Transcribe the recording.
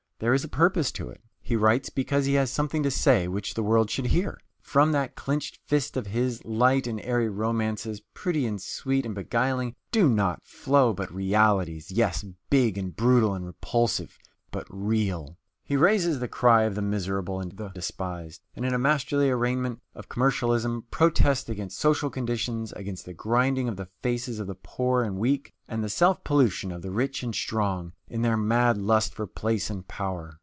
There is a purpose to it. He writes because he has something to say which the world should hear. From that clenched fist of his, light and airy romances, pretty and sweet and beguiling, do not flow, but realities yes, big and brutal and repulsive, but real. He raises the cry of the miserable and the despised, and in a masterly arraignment of commercialism, protests against social conditions, against the grinding of the faces of the poor and weak, and the self pollution of the rich and strong, in their mad lust for place and power.